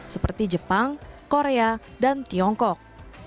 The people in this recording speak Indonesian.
seperti jepang korea dan tiongkok